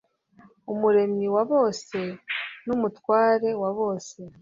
Umuremyi wa bose nUmutware wa bose